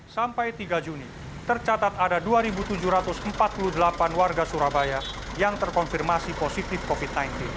sampai tiga juni tercatat ada dua tujuh ratus empat puluh delapan warga surabaya yang terkonfirmasi positif covid sembilan belas